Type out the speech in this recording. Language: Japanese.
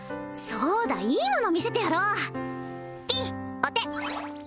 そうだいいもの見せてやろうキンお手！